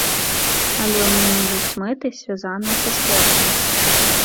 Але ў мяне ёсць мэты, звязаныя са спортам.